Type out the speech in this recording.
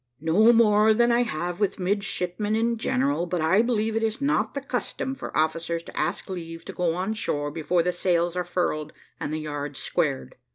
`No more than I have with midshipmen in general; but I believe it is not the custom for officers to ask leave to go on shore before the sails are furled and the yards squared.'